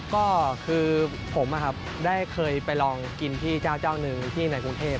ก็คือผมได้เคยไปลองกินที่เจ้าเจ้าหนึ่งที่ในกรุงเทพ